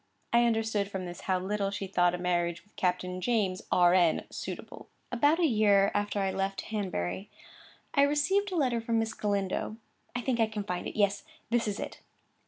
I understood from this how little she thought a marriage with Captain James, R.N., suitable. About a year after I left Hanbury, I received a letter from Miss Galindo; I think I can find it.—Yes, this is it.